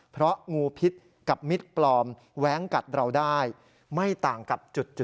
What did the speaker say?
เพราะงูพิษกับมิตรปลอมแว้งกัดเราได้ไม่ต่างกับจุด๗